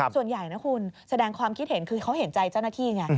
ส่วนใหญ่นะคุณแสดงความคิดเห็นคือเขาเห็นใจเจ้าหน้าที่ไง